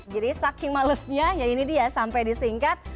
jadi saking malesnya ya ini dia sampai disingkat